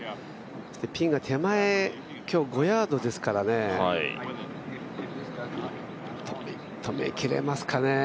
ピンが手前今日５ヤードですからね、止めきれますかね。